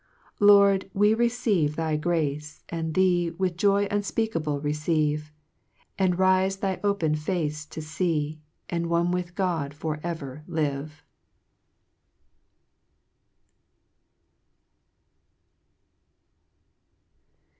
10 Loni>, we receive thy grace, and thee With joy unfpeakable receive, And rife thine open face to fee, And one with God for ever live.